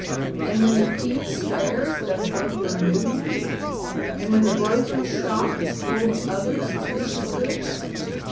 And when the thief swears that the broker knew him? And when the broker's shop is full of other suspicious goods?